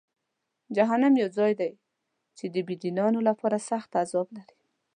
جهنم یو ځای دی چې د بېدینانو لپاره سخت عذاب لري.